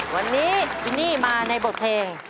วันนี้พี่นี่มาในบทเพลง